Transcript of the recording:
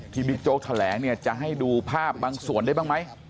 บิ๊กโจ๊กแถลงเนี่ยจะให้ดูภาพบางส่วนได้บ้างไหม